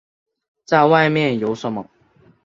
再外面有什么